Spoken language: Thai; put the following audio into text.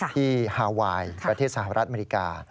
ฮาไวน์ประเทศสหรัฐอเมริกา